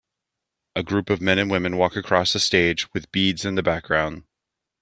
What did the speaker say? A group of men and women walk across a stage with beads in the background